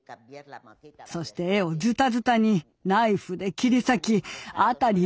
そして絵をズタズタにナイフで切り裂き辺り